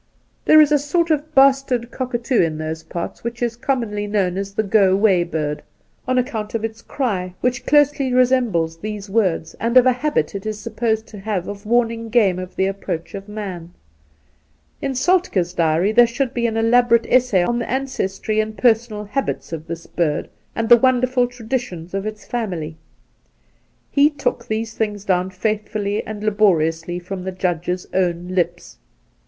There is a sort of bastard cockatoo in those parts which is commonly known Soltke 55 as the ' G o way ' bird, on account of its cry, which closely resembles these words, and of a habit it is supposed to have of warning game of the approach of man. In Soltkd's diary there should be an elaborate essay on the ancestry and personal habits of this bird, and the wonderful traditions of its family. He took these things down faithfully and laboriously from the Judge's own lips.